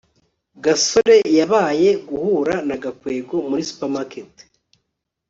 gasore yabaye guhura na gakwego muri supermarket